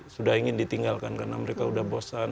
sudah ingin ditinggalkan karena mereka sudah bosan